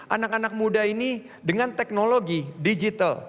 anak anak muda ini dengan teknologi digital